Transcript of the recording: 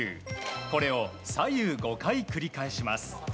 これを左右５回繰り返します。